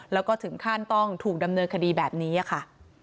แล้วก็ถึงขั้นต้องถูกดำเนินคดีแบบนี้ค่ะ